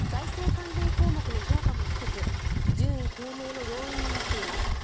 関連項目の評価も低く順位低迷の要因になっています。